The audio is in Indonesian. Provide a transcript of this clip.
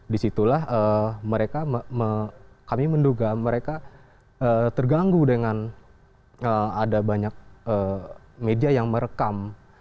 disitulah mereka kami menduga mereka terganggu dengan ada banyak media yang merekam